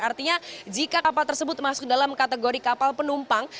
artinya jika kapal tersebut masuk dalam kategori kapal penumpang